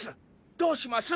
どうします？